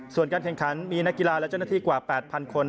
ส่วนการแข่งขันมีนักกีฬาและเจ้าหน้าที่กว่า๘๐๐คน